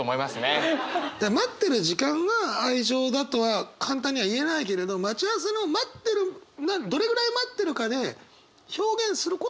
待ってる時間は愛情だとは簡単には言えないけれど待ち合わせの待ってるどれぐらい待ってるかで表現することはできるかもしれないね。